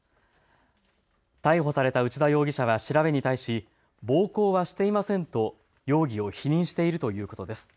逮捕された内田容疑者は調べに対し、暴行はしていませんと容疑を否認しているということです。